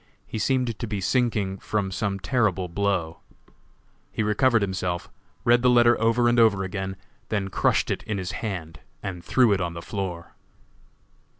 He seemed to be sinking from some terrible blow. He recovered himself, read the letter over and over again, then crushed it in his hand and threw it on the floor.